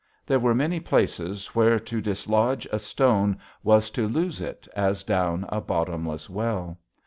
There were many places where to dislodge a stone was to lose it as down a bottomless well.